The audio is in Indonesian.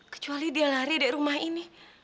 kecuali dia lari dari rumah ini